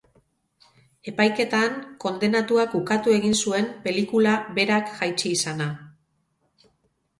Epaiketan, kondenatuak ukatu egin zuen pelikula berak jaitsi izana.